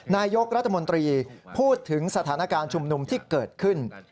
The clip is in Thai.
นายกรัฐมนตรีพูดถึงสถานการณ์ชุมนุมที่เกิดขึ้น